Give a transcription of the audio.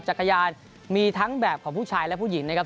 จักรยานมีทั้งแบบของผู้ชายและผู้หญิงนะครับ